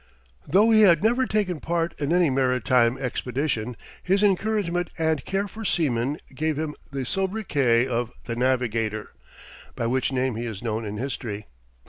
Though he had never taken part in any maritime expedition, his encouragement and care for seamen gave him the soubriquet of "the Navigator," by which name he is known in history.